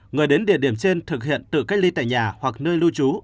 người đến địa điểm trên thực hiện tự cách ly tại nhà hoặc nơi lưu trú